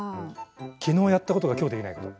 きのうやったことがきょうできないこと。